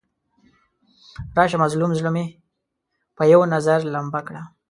راشه مظلوم زړه مې په یو نظر لمبه کړه.